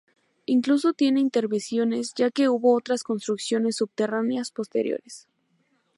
Incluso tiene intervenciones ya que hubo otras construcciones subterráneas posteriores.